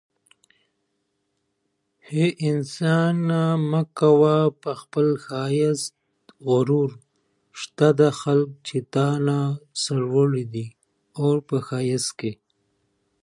دا د یوه کس لغزش نه دی.